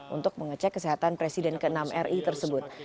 untuk mengecek kesehatan presiden ke enam ri tersebut